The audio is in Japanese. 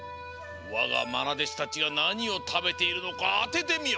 わがまなでしたちがなにをたべているのかあててみよ！